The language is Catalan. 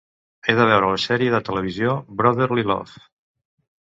He de veure la sèrie de televisió Brotherly Love